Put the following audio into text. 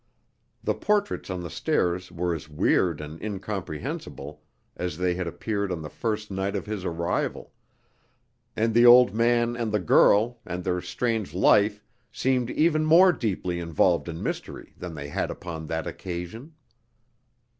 The portraits on the stairs were as weird and incomprehensible as they had appeared on the first night of his arrival; and the old man and the girl, and their strange life, seemed even more deeply involved in mystery than they had upon that occasion.